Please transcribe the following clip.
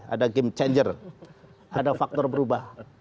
ada game changer ada faktor berubah